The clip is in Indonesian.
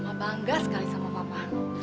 mama bangga sekali sama papa